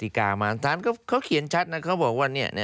เรื่องของกฎิกามาตรฐานเขาเขียนชัดนะเขาบอกว่า